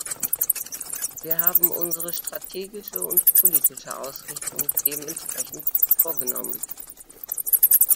Wir haben unsere strategische und politische Ausrichtung dementsprechend vorgenommen.